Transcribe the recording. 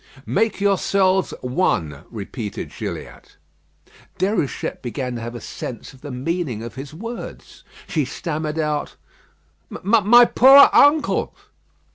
"Make yourselves one," repeated Gilliatt. Déruchette began to have a sense of the meaning of his words. She stammered out: "My poor uncle!"